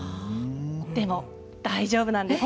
でも大丈夫なんです。